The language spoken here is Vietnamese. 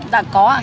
dạ có ạ